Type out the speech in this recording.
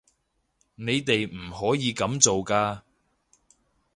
你哋唔可以噉做㗎